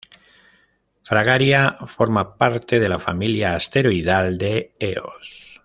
Fragaria forma parte de la familia asteroidal de Eos.